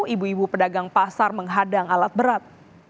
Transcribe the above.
ibu ibu pedagang pasar menghadang alat berat